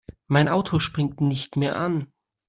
Mein Auto springt nicht mehr an.